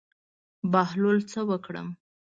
بهلوله څه وکړم.